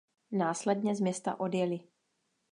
Následně z města odjeli.